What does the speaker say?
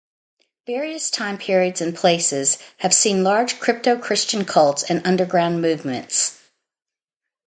Various time periods and places have seen large crypto-Christian cults and underground movements.